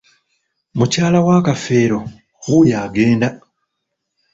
Mukyala wa Kafeero wuuyo agenda.